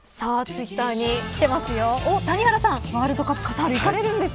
ツイッターに来てますよ。